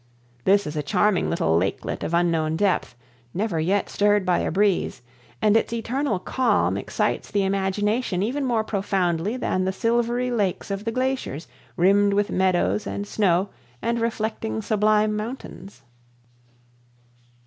This is a charming little lakelet of unknown depth, never yet stirred by a breeze, and its eternal calm excites the imagination even more profoundly than the silvery lakes of the glaciers rimmed with meadows and snow and reflecting sublime mountains.